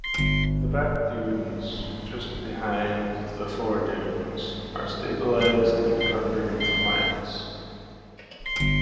The back dunes, just behind the fore dunes, are stabilized and covered with plants.